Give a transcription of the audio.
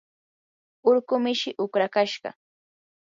urqu mishii uqrakashqa.